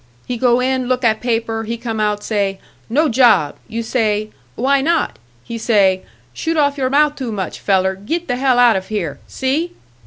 He go in, look at paper; he come out, say, 'No job!' You say, 'Why not?' He say, 'Shoot off your mouth too much, feller. Git the hell out of here!' See?"